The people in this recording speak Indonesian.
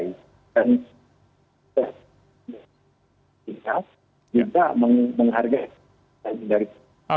kita juga menghargai